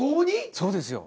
そうですよ。